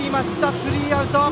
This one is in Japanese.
スリーアウト。